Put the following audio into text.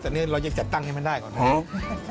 แต่นี่เรายังจัดตั้งให้มันได้ก่อนนะ